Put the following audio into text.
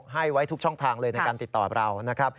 ให้ไว้ทุกช่องทางเลยในการติดต่อให้เรา